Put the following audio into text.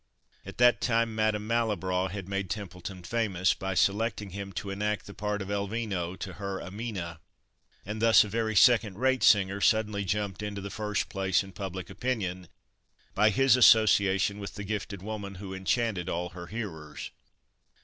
At that time Madame Malibran had made Templeton famous, by selecting him to enact the part of Elvino to her Amina, and thus a very second rate singer suddenly jumped into the first place in public opinion, by his association with the gifted woman who enchanted all her hearers.